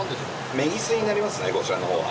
メギスになりますねこちらのほうは。